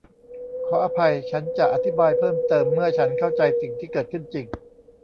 ขออภัยฉันจะอธิบายเพิ่มเติมเมื่อฉันเข้าใจสิ่งที่เกิดขึ้นจริง